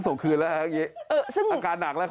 เจอเขาแล้ว